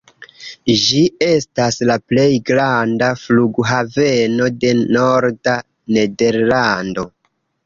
Ĝi estas la plej granda flughaveno de norda Nederlando.